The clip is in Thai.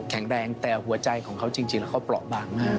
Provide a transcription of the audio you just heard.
แข็งแรงแต่หัวใจของเขาจริงแล้วเขาเปราะบางมาก